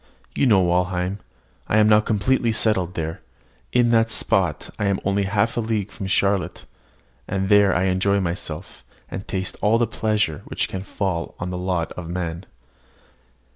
You know Walheim. I am now completely settled there. In that spot I am only half a league from Charlotte; and there I enjoy myself, and taste all the pleasure which can fall to the lot of man.